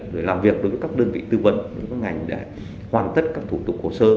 rồi làm việc đối với các đơn vị tư vấn các ngành để hoàn tất các thủ tục hồ sơ